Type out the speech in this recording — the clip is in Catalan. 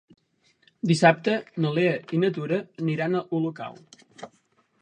Dissabte na Lea i na Tura aniran a Olocau.